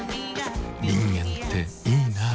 人間っていいナ。